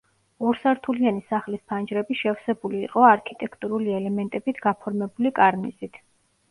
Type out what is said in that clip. ორსართულიანი სახლის ფანჯრები შევსებული იყო არქიტექტურული ელემენტებით გაფორმებული კარნიზით.